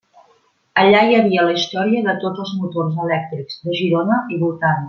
Allà hi havia la història de tots els motors elèctrics de Girona i voltants.